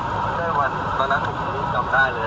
เท่าไหร่วันตอนนั้นผมกลุ่มกลับได้เลย